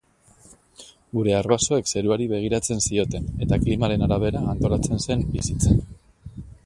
Gure arbasoek zeruari begiratzen zioten eta klimaren arabera antolatzen zen bizitza.